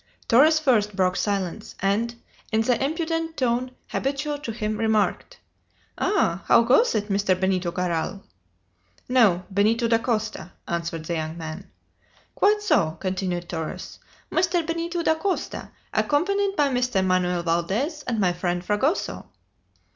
Torres first broke silence, and, in the impudent tone habitual to him, remarked: "Ah! How goes it, Mr. Benito Garral?" "No, Benito Dacosta!" answered the young man. "Quite so," continued Torres. "Mr. Benito Dacosta, accompanied by Mr. Manoel Valdez and my friend Fragoso!"